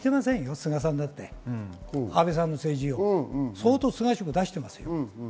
菅さんだって安倍さんの政治を、菅色を相当出しています。